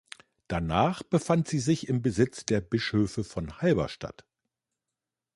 Danach befand sie sich im Besitz der Bischöfe von Halberstadt.